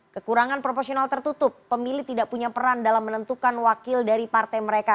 kekurangan proporsional tertutup pemilih tidak punya peran dalam menentukan wakil dari partai mereka